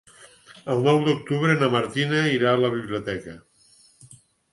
El nou d'octubre na Martina irà a la biblioteca.